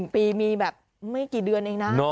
๑ปีมีแบบไม่กี่เดือนเองนะ